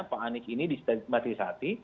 pak anies ini masih sati